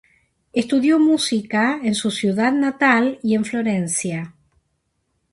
Estudió música en su ciudad natal y en Florencia.